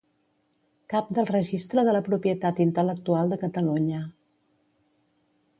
Cap del Registre de la Propietat Intel·lectual de Catalunya.